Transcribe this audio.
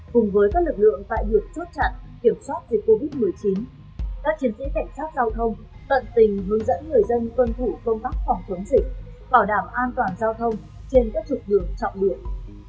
cùng với các lực lượng tại việc chốt chặn kiểm soát dịch covid một mươi chín các chiến sĩ cảnh sát giao thông tận tình hướng dẫn người dân tuân thủ công tác phòng chống dịch bảo đảm an toàn giao thông trên các trục đường trọng điểm